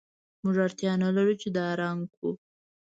موږ اړتیا نلرو چې دا رنګ کړو